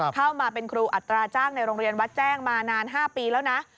เข้ามาเป็นครูอัตราจ้างในโรงเรียนวัดแจ้งมานาน๕ปีแล้วนะ